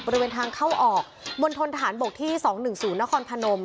บริเวณทางเข้าออกบนทนฐานบกที่สองหนึ่งศูนย์นครพนม